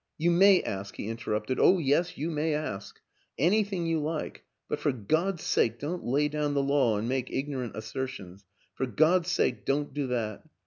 ' You may ask," he interrupted, " oh, yes, you may ask! Anything you like. But for God's sake don't lay down the law and make ignorant assertions for God's sake don't do that.